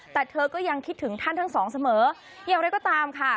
แต่เธอก็ยังคิดถึงท่านทั้งสองเสมออย่างไรก็ตามค่ะ